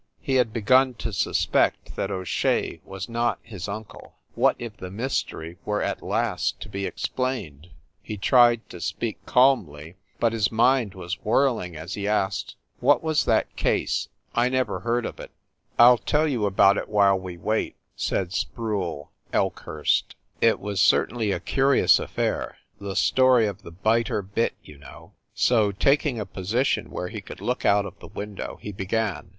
He had begun to suspect that O Shea was not his uncle what if the mys tery were at last to be explained ! He tried to speak calmly, but his mind was whirling as he asked : "What was that case? I never heard of it." 274 FIND THE WOMAN "I ll tell you about it while we wait," said Sproule Elkhurst. "It was certainly a curious af fair. The story of a biter bit/ you know." So, taking a position where he could look out of the window, he began.